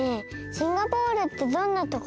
シンガポールってどんなところ？